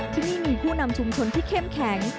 ที่นี่มีผู้นำชุมชนที่เข้มแข็ง